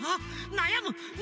なやむ！